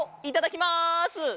いただきます！